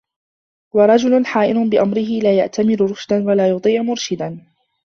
وَرَجُلٌ حَائِرٌ بِأَمْرِهِ لَا يَأْتَمِرُ رُشْدًا وَلَا يُطِيعُ مُرْشِدًا